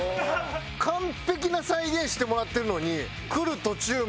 完璧な再現してもらってるのに来る途中